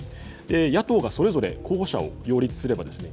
野党がそれぞれ候補者を擁立すればですね